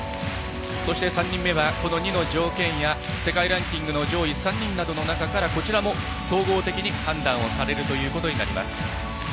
そして、３人目は、２の条件や世界ランキングの上位３人などの中からこちらも、総合的に判断されるということになります。